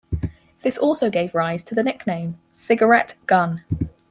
This also gave rise to the nickname, "cigarette gun".